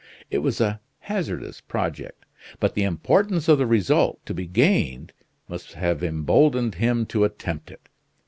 It was a hazardous project; but the importance of the result to be gained must have emboldened him to attempt it.